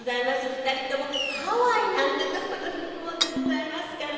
２人ともハワイなんて所にいるもんでございますからね。